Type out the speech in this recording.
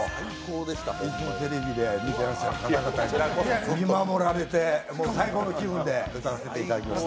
いつもテレビで見ている方たちに見守られて最高の気分で歌わせていただきました。